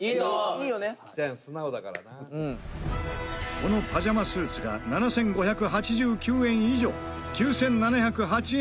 このパジャマスーツが７５８９円以上９７０８円